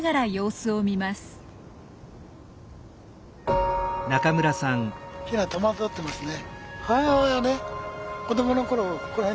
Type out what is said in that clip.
ヒナ戸惑ってますね。